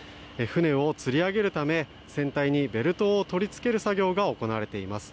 船をつり上げるため船体にベルトを取りつける作業が行われています。